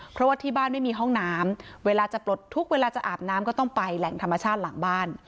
เพราะว่าที่บ้านไม่มีห้องน้ำเวลาจะปลดทุกข์เวลาจะอาบน้ำก็ต้องไปแหล่งธรรมชาติหลังบ้าน